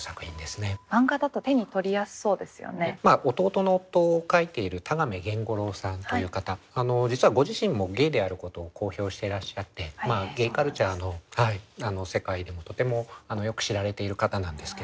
「弟の夫」を書いている田亀源五郎さんという方実はご自身もゲイであることを公表していらっしゃってゲイカルチャーの世界でもとてもよく知られている方なんですけれど。